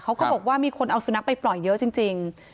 เขาก็บอกว่ามีคนเอาสุนัขไปปล่อยเยอะจริง